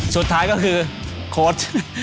สุดท้ายก็คือโค้ช